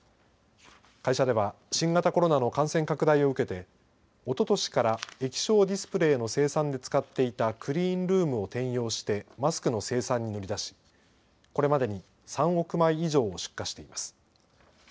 会社では新型コロナの感染拡大を受けておととしから液晶ディスプレーの生産で使っていたクリーンルームを転用してマスクの生産に乗り出しこれまでに３億枚以上を出荷しています。